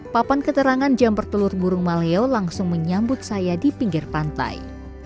papan keterangan jam bertelur burung maleo langsung menyambut saya di pinggir pantai